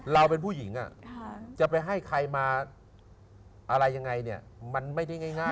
เราเป็นผู้หญิงจะไปให้ใครมาอะไรยังไงเนี่ยมันไม่ได้ง่าย